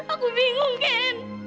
aku bingung ken